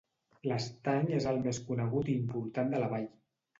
L'estany és el més conegut i important de la vall.